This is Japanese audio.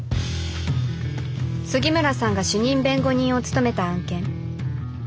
杉村さんが主任弁護人を務めた案件。